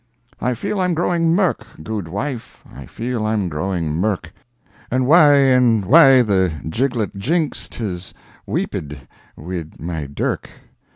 I feel I'm growing mirk, gude wife, I feel I'm growing mirk, An' wae an' wae the giglet jinks, Tis wheep ed wi' my dirk.